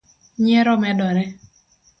nyiero medore